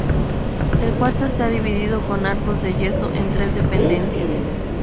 El cuarto está dividido con arcos de yeso en tres dependencias.